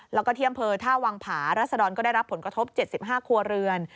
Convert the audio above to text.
แล้วก็ที่อำเภอท่าวังผารัศดรก็ได้รับผลกระทบ๗๕ครัวเรือน